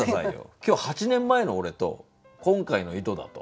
今日８年前の俺と今回の井戸田と。